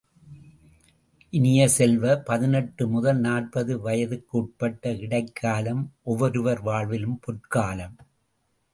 இனிய செல்வ, பதினெட்டு முதல் நாற்பது வயதுக்குட்பட்ட இடைக்காலம் ஒவ்வொருவர் வாழ்விலும் பொற்காலம்!